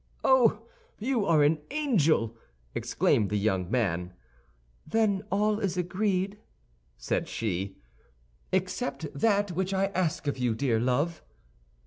"Oh, you are an angel!" exclaimed the young man. "Then all is agreed?" said she. "Except that which I ask of you, dear love."